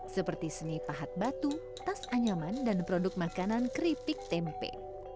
seperti seni pahat batu tas anyaman dan produk makanan keripik tempe